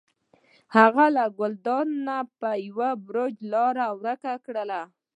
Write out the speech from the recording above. هغې له ګلداد نه په یو بړچ لاره ورکه کړه.